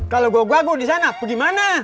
kalau gue gue di sana gimana